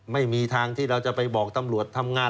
ไม่มีทางที่เราจะไปบอกตำรวจทำงาน